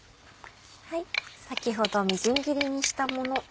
先ほどみじん切りにしたもの。